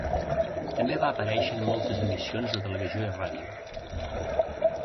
També va aparèixer en moltes emissions de televisió i ràdio.